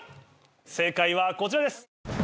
正解はこちらです。